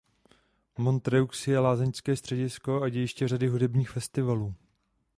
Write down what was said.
Montreux je lázeňské středisko a dějiště řady hudebních festivalů.